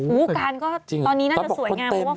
เมืองกาลก็ตอนนี้น่าจะสวยงามเพราะว่าฝนเต็ม